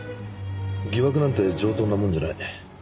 疑惑なんて上等なもんじゃない。